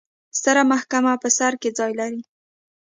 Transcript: ستره محکمه په سر کې ځای لري.